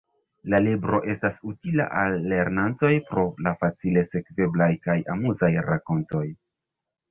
La libro estas utila al lernantoj pro la facile sekveblaj kaj amuzaj rakontoj.